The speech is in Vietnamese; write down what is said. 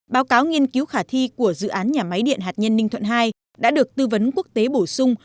báo cáo nghiên cứu khả thi của dự án nhà máy điện hạt nhân ninh thuận ii đã được tư vấn quốc tế bổ sung